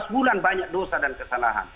sebelas bulan banyak dosa dan kesalahan